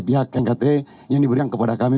pihak knkt yang diberikan kepada kami